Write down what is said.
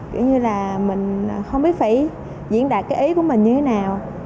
kiểu như là mình không biết phải diễn đạt cái ý của mình như thế nào